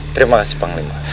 terima kasih panglima